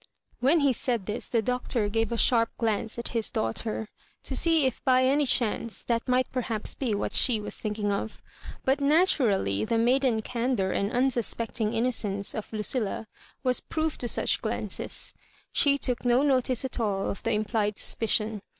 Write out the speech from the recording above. When he said this the Doctor gave a sharp glance at his daughter, to see if by any chance that might perhaps be what she was thinking of; but naturally the maiden candour and unsuspectmg innocence of Lucilla was proof to such glances. She took no notice at all of the implied suspicion.